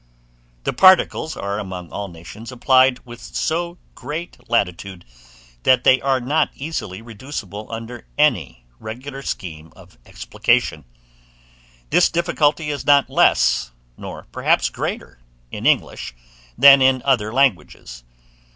The particles are among all nations applied with so great latitude, that they are not easily reducible under any regular scheme of explication: this difficulty is not less, nor perhaps greater, in English, than in other languages.